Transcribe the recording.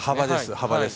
幅です。